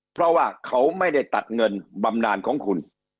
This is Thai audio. เพราะว่าเขาไม่ได้ตัดเงินบำนานของคุณ